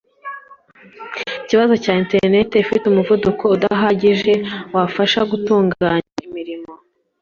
Ikibazo cya internet ifite umuvuduko udahagije wafasha gutunganya imirimo